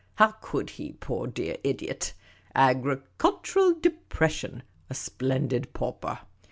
How could he, poor dear idiot ? Agricultural depression ; a splendid pauper.